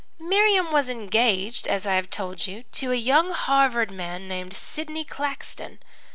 "Miriam was engaged, as I have told you, to a young Harvard man named Sidney Claxton.